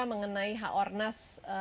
mengenai h ornas